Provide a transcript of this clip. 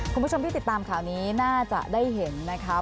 คุณผู้ชมที่ติดตามข่าวนี้น่าจะได้เห็นนะคะ